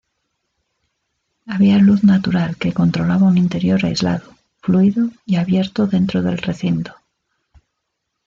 Había luz natural que controlaba un interior aislado, fluido y abierto dentro del recinto.